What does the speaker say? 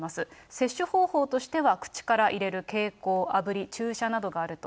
摂取方法としては、口から入れる経口、あぶり、注射などがあると。